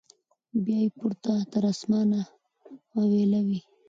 بیا یې پورته تر اسمانه واویلا وي